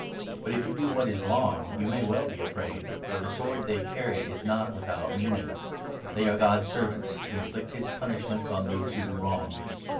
But, if you do what is wrong, you may well be afraid ; for the sword they carry is not without meaning ! They are God's servants to inflict his punishments on those who do wrong.